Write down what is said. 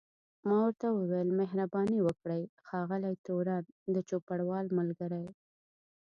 ما ورته وویل مهرباني وکړئ ښاغلی تورن، د چوپړوال ملګری.